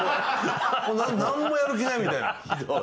何もやる気ないみたいな。